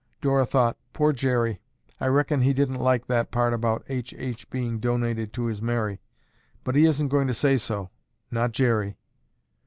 Dora thought, "Poor Jerry, I 'reckon' he didn't like that part about H. H. being donated to his Mary, but he isn't going to say so, not Jerry!"